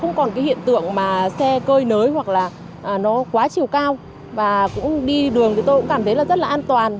không còn cái hiện tượng mà xe cơi nới hoặc là nó quá chiều cao và cũng đi đường thì tôi cũng cảm thấy là rất là an toàn